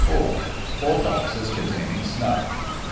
— Four boxes containing snuff.